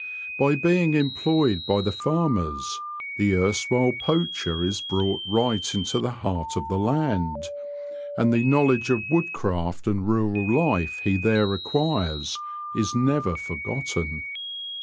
By being employed by ' the farmers the erstwhile poacher is brought \ right into the heart of the land, and the know ledge of woodcraft and rural life he there acquires is never forgotten.